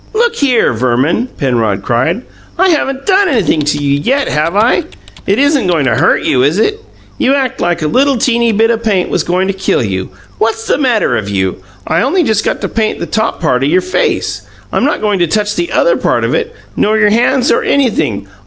"Look here, Verman," Penrod cried. "I haven't done anything to you yet, have I? It isn't goin' to hurt you, is it? You act like a little teeny bit o' paint was goin' to kill you. What's the matter of you? I only just got to paint the top part of your face; I'm not goin' to TOUCH the other part of it nor your hands or anything.